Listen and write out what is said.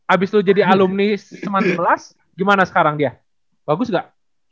abis lu jadi alumni sma sebelas gimana sekarang dia bagus gak